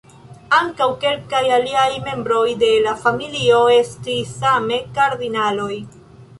Ankaŭ kelkaj aliaj membroj de la familio estis same kardinaloj.